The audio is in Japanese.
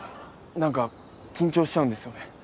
何か緊張しちゃうんですよね。